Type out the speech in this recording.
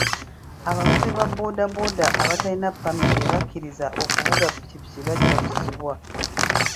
Abavuzi ba booda abatalina ppamiti ebakkiriza okuvuga ppikipiki bajja kusibwa.